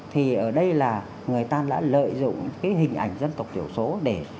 thì ở đây là người ta đã lợi dụng cái hình ảnh dân tộc thiểu số để